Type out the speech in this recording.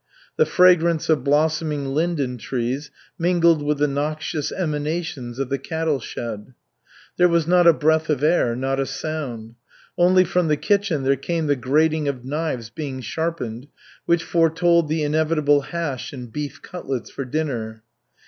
The fragrance of blossoming linden trees mingled with the noxious emanations of the cattle shed. There was not a breath of air, not a sound. Only from the kitchen there came the grating of knives being sharpened, which foretold the inevitable hash and beef cutlets for dinner.